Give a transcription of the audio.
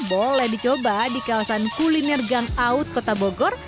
boleh dicoba di kawasan kuliner gang out kota bogor